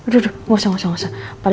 tidak ada yang nanya apa apa